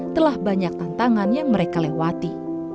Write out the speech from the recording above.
telah banyak tantangan yang mereka lewati